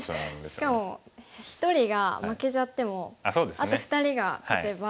しかも１人が負けちゃってもあと２人が勝てば。